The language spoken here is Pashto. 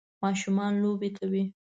ماشومان لوبې کوي